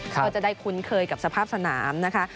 ก็จะได้คุ้นเคยกับสภาพสนามนะคะ